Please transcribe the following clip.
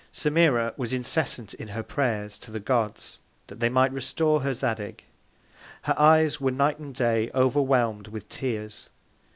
Semira was incessant in her Prayers to the Gods that they might restore her Zadig. Her Eyes were Night and Day overwhelm'd with Tears.